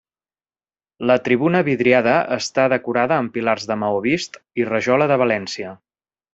La tribuna vidriada està decorada amb pilars de maó vist i rajola de València.